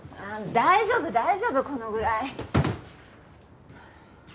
ああ大丈夫大丈夫このぐらい。